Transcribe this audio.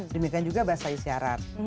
demikian juga bahasa isyarat